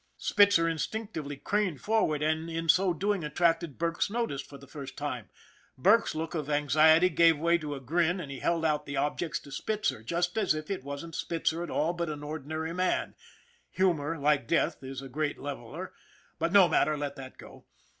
Spitzer instinctively craned forward, and in so doing attracted Burke's notice for the first time. Burke's look of anxiety gave way to a grin and he held out the objects to Spitzer, just as if it wasn't Spitzer at all but an ordinary man humor, like death, is a great leveler, but no matter, let that go.